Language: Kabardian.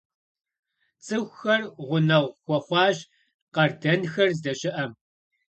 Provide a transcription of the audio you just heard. ЦӀыхухэр гъунэгъу хуэхъуащ къардэнхэр здэщыӀэм.